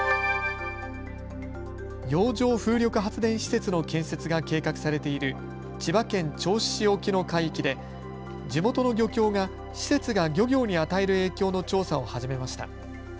洋上風力発電施設の建設が計画されている千葉県銚子市沖の海域で地元の漁協が施設が漁業に与える影響の調査を始めました。